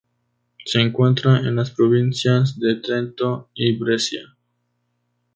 Se encuentra en las provincias de Trento y Brescia.